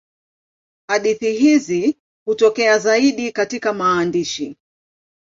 Hadithi hizi hutokea zaidi katika maandishi.